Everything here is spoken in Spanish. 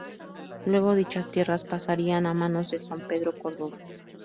Luego dichas tierras pasarían a manos de Juan Pedro Córdova.